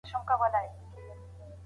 خاوند به د خپلي ميرمني څخه علم نه پټوي.